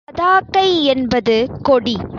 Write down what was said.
பதாகை என்பது கொடி.